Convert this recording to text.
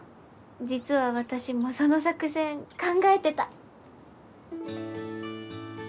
実は私もその作戦考えてた。